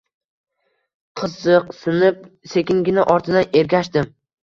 Qiziqsinib, sekingina ortidan ergashdim.